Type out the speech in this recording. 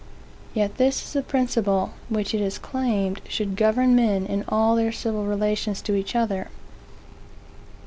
Yet this is the principle, which it is claimed should govern men in all their civil relations to each other.